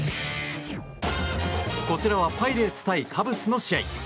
こちらはパイレーツ対カブスの試合。